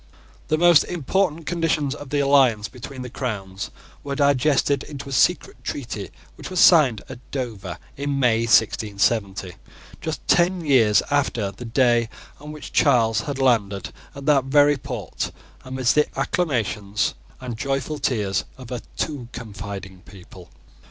The most important conditions of the alliance between the crowns were digested into a secret treaty which was signed at Dover in May, 1670, just ten years after the day on which Charles had landed at that very port amidst the acclamations and joyful tears of a too confiding people.